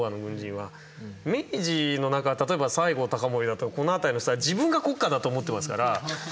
明治の何か例えば西郷隆盛だとかこの辺りの人は自分が国家だと思ってますから。